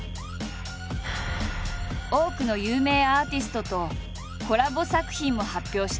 多くの有名アーティストとコラボ作品も発表している。